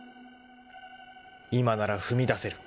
［今なら踏み出せる。